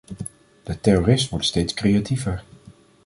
De terrorist wordt steeds creatiever.